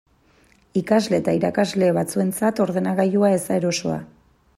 Ikasle eta irakasle batzuentzat ordenagailua ez da erosoa.